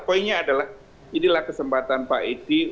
poinnya adalah inilah kesempatan pak edi